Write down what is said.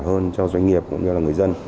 hơn cho doanh nghiệp cũng như là người dân